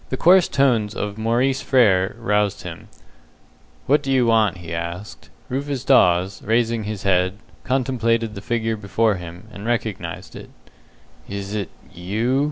The coarse tones of Maurice Frere roused him. "What do you want?" he asked. Rufus Dawes, raising his head, contemplated the figure before him, and recognized it. "Is it you?"